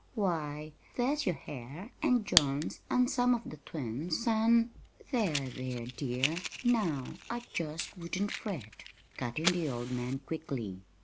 Why, there's your hair, an' John's, an' some of the twins', an' " "There, there, dear; now I jest wouldn't fret," cut in the old man quickly.